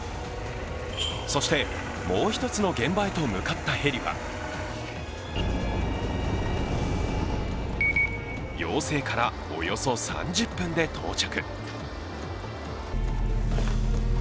そして、もう一つの現場へと向かったヘリは要請から、およそ３０分で到着。